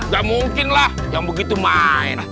gak mungkin lah yang begitu main